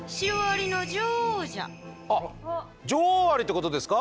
あっ女王アリってことですか？